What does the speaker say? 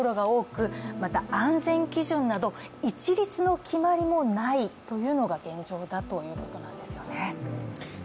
安全基準など、一律の決まりもないというのが現状だということなんですよね。